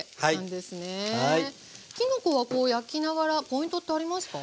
きのこはこう焼きながらポイントってありますか？